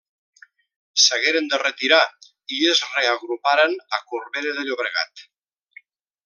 S'hagueren de retirar i es reagruparen a Corbera de Llobregat.